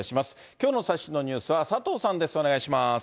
きょうの最新のニュースは佐藤さんです。